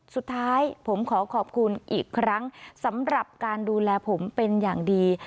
สุดท้ายผมขอขอบคุณอีกครั้งสำหรับการดูแลผมเป็นอย่างดี